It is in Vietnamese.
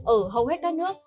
ở hầu hết các nước